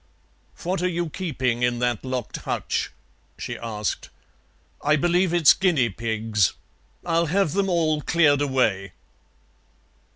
"What are you keeping in that locked hutch?" she asked. "I believe it's guinea pigs. I'll have them all cleared away."